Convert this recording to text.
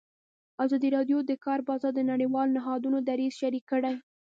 ازادي راډیو د د کار بازار د نړیوالو نهادونو دریځ شریک کړی.